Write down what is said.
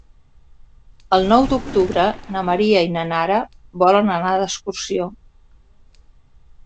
El nou d'octubre na Maria i na Nara volen anar d'excursió.